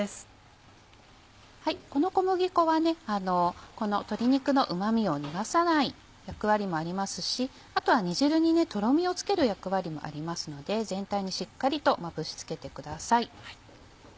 この小麦粉はこの鶏肉のうま味を逃がさない役割もありますしあとは煮汁にとろみをつける役割もありますので全体にしっかりとまぶしつけてください。